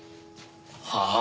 はあ？